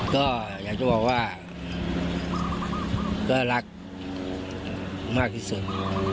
ก็อยากจะบอกว่าก็รักมากที่สุด